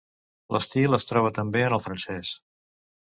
L'estil es troba també en el francès.